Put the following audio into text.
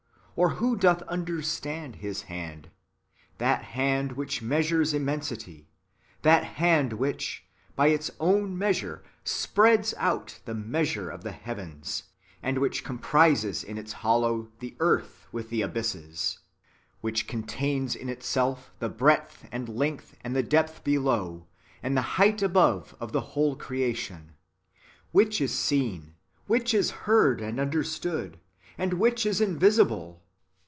Or who doth understand His hand, — that hand which mea sures immensity; that hand which, by its own measure, spreads out the measure of the heavens, and which comprises in its hollow the earth with the abysses; which contains in itself the breadth, and length, and the deep below, and the height above of the whole creation ; which is seen, which is heard 1 Isa. xl. 12. 438 IREN^TJS AGAINST HERESIES. [Book iv. and understood, and wliicli is invisible